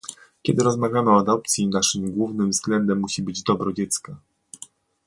Kiedy rozmawiamy o adopcji, naszym głównym względem musi być dobro dziecka